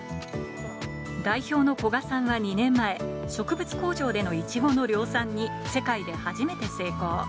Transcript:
代表の古賀さんは２年前、植物工場でのイチゴの量産に世界で初めて成功。